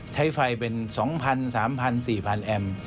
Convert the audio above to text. ใช้ไฟเป็น๒๐๐๓๐๐๔๐๐แอมป์